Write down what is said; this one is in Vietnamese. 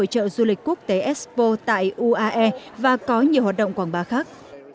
việt nam sẽ tham gia hội trợ du lịch quốc tế expo tại uae và có nhiều hoạt động quảng bá khác